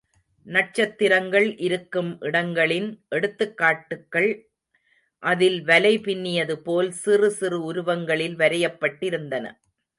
நட்சத்திரங்கள் இருக்கும் இடங்களின் எடுத்துக்காட்டுக்கள் அதில்வலை பின்னியது போல் சிறுசிறு உருவங்களில் வரையப்பட்டிருந்தன.